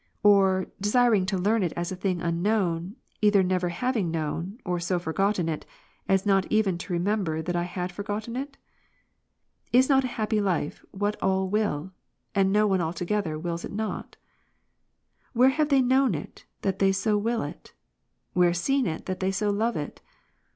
Or, desiring to learn it as a thing unknown, either never hav ing known, or so forgotten it, as not even to remember that I had forgotten it ? Is not a happy life what all will, and no one altogether wills it not^? Where have they known it, that they so will it ? where seen it, that they so love it